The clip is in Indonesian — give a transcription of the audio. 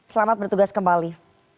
selamat bertugas kembali